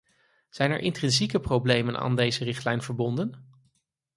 Zijn er intrinsieke problemen aan deze richtlijn verbonden?